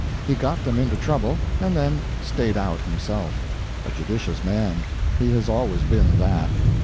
He got them into trouble, and then stayed out himself. A judicious man. He has always been that.